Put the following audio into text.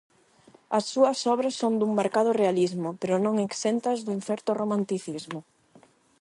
As súas obras son dun marcado realismo pero non exentas dun certo romanticismo.